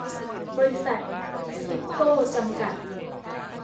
บริษัท ซีฟโก้ จำกัด